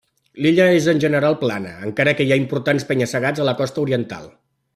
L'illa és en general plana, encara que hi ha importants penya-segats a la costa oriental.